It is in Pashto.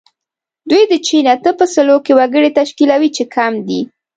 دوی د چین اته په سلو کې وګړي تشکیلوي چې کم دي.